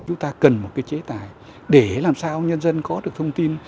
chúng ta cần một cái chế tài để làm sao nhân dân có được thông tin